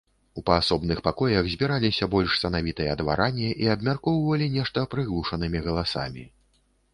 У паасобных пакоях збіраліся больш санавітыя дваране і абмяркоўвалі нешта прыглушанымі галасамі.